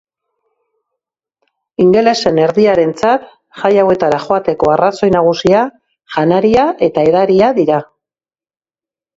Ingelesen erdiarentzat jai hauetara joateko arrazoi nagusia janaria eta edaria dira.